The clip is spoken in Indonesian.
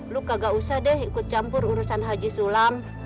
lo kagak usah deh ikut campur urusan haji sulam